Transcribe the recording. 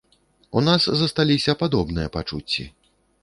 У нас засталіся падобныя пачуцці.